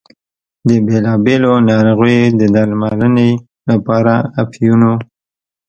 د بېلا بېلو ناروغیو د درملنې لپاره اپینو.